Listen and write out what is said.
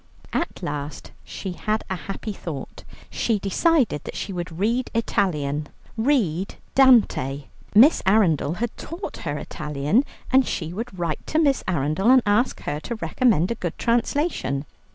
At last she had a happy thought; she decided that she would read Italian, read Dante. Miss Arundel had taught her Italian, and she would write to Miss Arundel, and ask her to recommend a good translation.